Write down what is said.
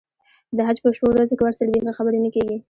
د حج په شپو ورځو کې ورسره بیخي خبرې نه کېږي.